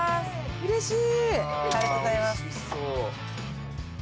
うれしい。